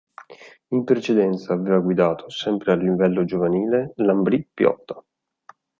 In precedenza aveva guidato, sempre a livello giovanile, l'Ambrì-Piotta.